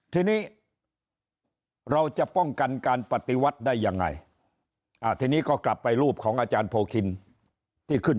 ที่นี้เราจะป้องกันการปฏิวัติได้ยังไงอาจารย์โพคินที่ขึ้น